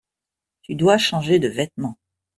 Tu dois changer de vêtements.